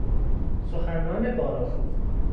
سخنران با نفوذ